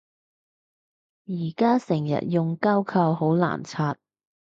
而家成日用膠扣好難拆